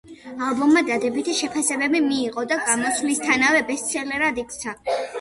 ალბომმა დადებითი შეფასებები მიიღო და გამოსვლისთანავე ბესტსელერად იქცა.